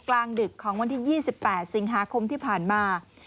กลางดึกของวันที่ยี่สิบแปดสิงหาคมที่ผ่านมา